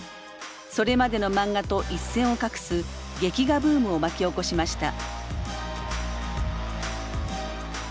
それまでの漫画と一線を画す劇画ブームを巻き起こしました。